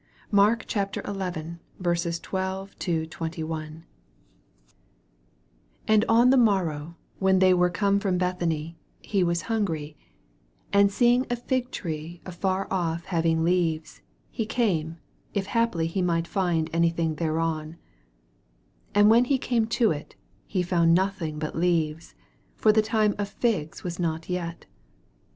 MARK, CHAP. XI. 231 MARK XI. 1221. 12 And on the morrow, when they Were come from Bethany, he was hungry : 13 And seeing a fig tree afar off ^having leaves, he came, if haply he might find any thing thereon : and when he came to it, he found nothing but leaves : for the time of figs was not yet.